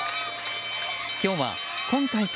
今日は今大会